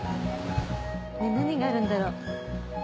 何があるんだろう？